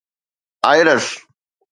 IRAS